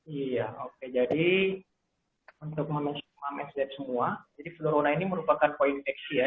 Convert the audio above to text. iya oke jadi untuk mam mam sd semua jadi furona ini merupakan koinfeksi ya